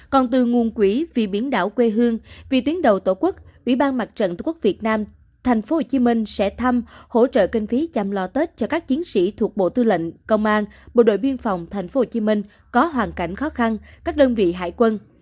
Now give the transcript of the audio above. còn từ nguồn quỹ vì biển đảo quê hương vì tuyến đầu tổ quốc ủy ban mặt trận tổ quốc việt nam thành phố hồ chí minh sẽ thăm hỗ trợ kinh phí chăm lo tết cho các chiến sĩ thuộc bộ tư lệnh công an bộ đội biên phòng thành phố hồ chí minh có hoàn cảnh khó khăn các đơn vị hải quân